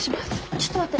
ちょっと待って。